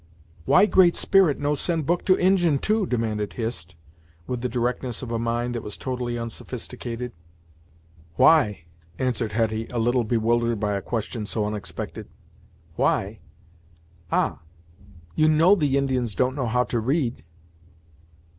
"Why Great Spirit no send book to Injin, too?" demanded Hist, with the directness of a mind that was totally unsophisticated. "Why?" answered Hetty, a little bewildered by a question so unexpected. "Why? Ah! you know the Indians don't know how to read."